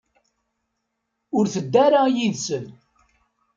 Ur tedda ara yid-sen.